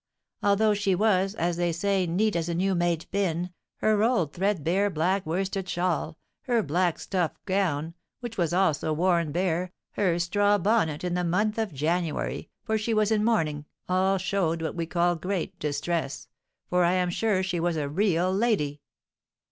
Although she was, as they say, neat as a new made pin, her old threadbare black worsted shawl, her black stuff gown, which was also worn bare, her straw bonnet, in the month of January, for she was in mourning, all showed what we call great distress, for I am sure she was a real lady.